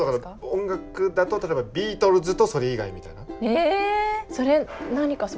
音楽だと例えばビートルズとそれ以外みたいな。え！